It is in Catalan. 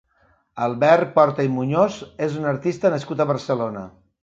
Albert Porta i Muñoz és un artista nascut a Barcelona.